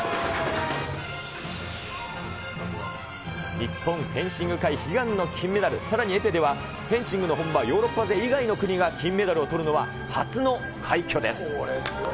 日本フェンシング界悲願の金メダル、さらにエペでは、フェンシングの本場、ヨーロッパ勢以外の国が金メダルをとるのは、初の快挙です。